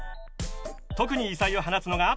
特に異彩を放つのが。